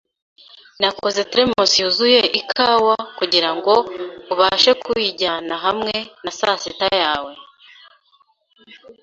Nakoze thermos yuzuye ikawa kugirango ubashe kuyijyana hamwe na sasita yawe.